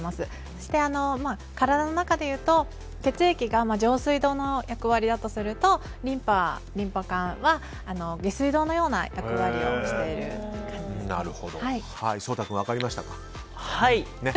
そして、体の中でいうと血液が上水道の役割だとするとリンパ管は下水道のような役割をしている感じですね。